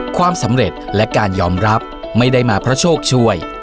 ความสำเร็จและการยอมรับไม่ได้มาเพราะโชคช่วย